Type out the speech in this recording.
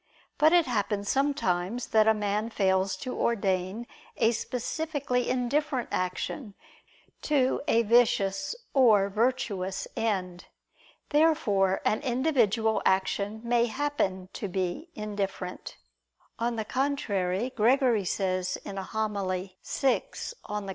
But it happens sometimes that a man fails to ordain a specifically indifferent action to a vicious or virtuous end. Therefore an individual action may happen to be indifferent. On the contrary, Gregory says in a homily (vi in Evang.)